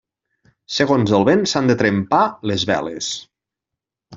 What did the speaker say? Segons el vent s'han de trempar les veles.